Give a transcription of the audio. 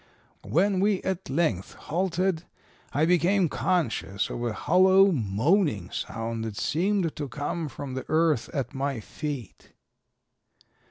When we at length halted I became conscious of a hollow moaning sound that seemed to come from the earth at my feet.